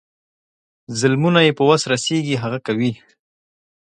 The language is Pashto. ظلمونه یې په وس رسیږي هغه کوي.